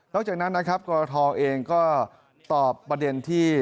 นอกจากนั้นกรทเองก็ตอบประเด็นที่